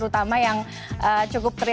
untuk negara dipercaya